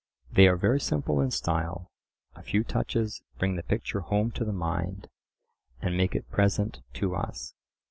They are very simple in style; a few touches bring the picture home to the mind, and make it present to us.